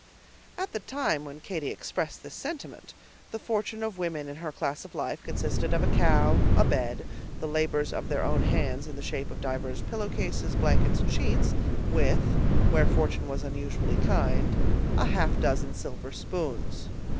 At the time when Katy expressed this sentiment, the fortune of women in her class of life consisted of a cow, a bed, the labors of their own hands in the shape of divers pillowcases, blankets, and sheets, with, where fortune was unusually kind, a half dozen silver spoons.